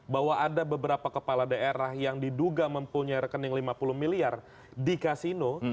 bahwa ada beberapa kepala daerah yang diduga mempunyai rekening lima puluh miliar di kasino